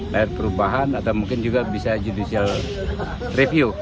layar perubahan atau mungkin juga bisa judicial review